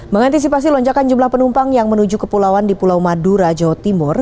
mengantisipasi lonjakan jumlah penumpang yang menuju kepulauan di pulau madura jawa timur